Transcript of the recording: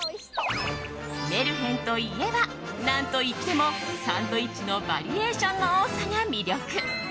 メルヘンといえば何といってもサンドイッチのバリエーションの多さが魅力。